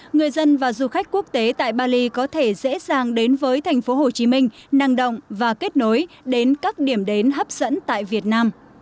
người dân và du khách quốc tế tại bali có thể dễ dàng đến với thành phố hồ chí minh năng động và kết nối đến các điểm đến hấp dẫn tại việt nam